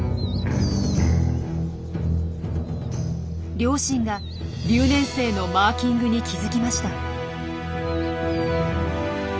両親が留年生のマーキングに気付きました。